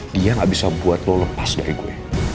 dia gak bisa buat lo lepas dari gue